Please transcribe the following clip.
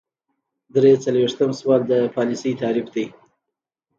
درې څلویښتم سوال د پالیسۍ تعریف دی.